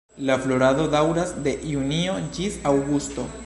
La florado daŭras de junio ĝis aŭgusto.